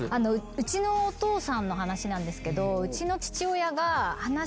うちのお父さんの話なんですけど。